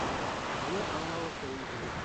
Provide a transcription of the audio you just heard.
— Быны аңлауы ҡыйын түгел.